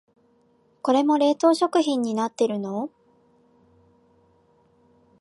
これも冷凍食品になってるの？